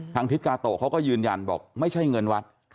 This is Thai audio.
ทิศกาโตะเขาก็ยืนยันบอกไม่ใช่เงินวัด